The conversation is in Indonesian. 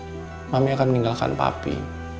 tapi dia tidak akan meninggalkan papi